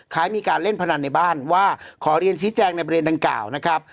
คล้ายมีการเล่นพนันในบ้านว่าขอเรียนชี้แจงในประเด็นดังกล่าวนะครับ